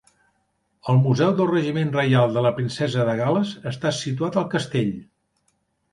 El Museu del Regiment Reial de la Princesa de Gal·les està situat al castell.